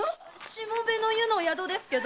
下部の湯の宿ですけど？